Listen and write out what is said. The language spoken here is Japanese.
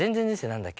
何だっけ？